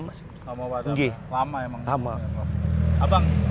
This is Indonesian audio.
nggak mau padam lama emang